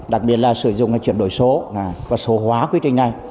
đặc biệt là sử dụng chuyển đổi số và số hóa quy trình này